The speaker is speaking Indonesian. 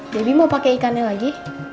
mau pakai ikannya lagi